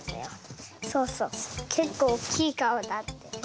そうそうけっこうおっきいかお。